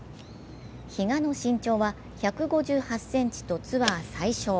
比嘉の身長は１５８ｃｍとツアー最小。